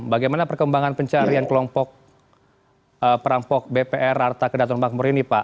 bagaimana perkembangan pencarian kelompok perampok bpr arta kedaton makmur ini pak